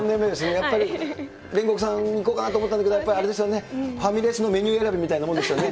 やっぱり煉獄さん行こうかなと思ったんだけど、やっぱりあれですよね、ファミレスのメニュー選びみたいなものですよね。